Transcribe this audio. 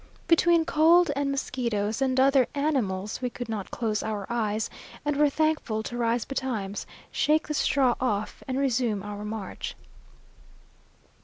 Between cold and mosquitoes and other animals, we could not close our eyes, and were thankful to rise betimes, shake the straw off, and resume our march.